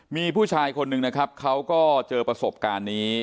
มีผู้ชายคนหนึ่งนะครับเขาก็เจอประสบการณ์นี้